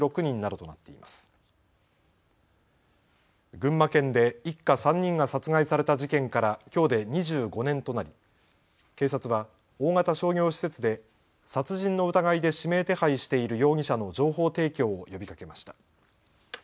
群馬県で一家３人が殺害された事件からきょうで２５年となり警察は大型商業施設で殺人の疑いで指名手配している容疑者の情報提供を呼びかけました。